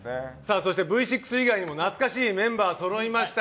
そしてＶ６以外にも懐かしいメンバーそろいました。